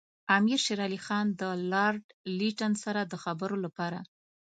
امیر شېر علي خان د لارډ لیټن سره د خبرو لپاره.